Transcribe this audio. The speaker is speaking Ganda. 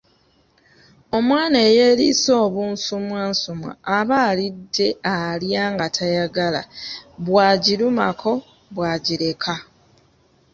Omwana eyeriisa obunsumwansumwa aba alidde alya ngatayagala, bwagirumako bwagireka.